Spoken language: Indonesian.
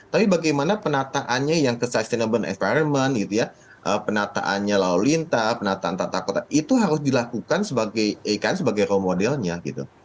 tapi bagaimana penataannya yang ke sustainable environment gitu ya penataannya lalu lintas penataan tata kota itu harus dilakukan sebagai ikn sebagai role modelnya gitu